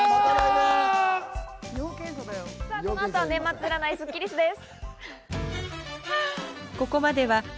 この後は年末占いスッキりすです。